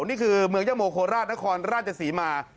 นี่คือเมืองยะโมโคราชนครราชศรีมา